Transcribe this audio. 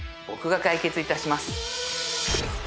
僕が解決いたします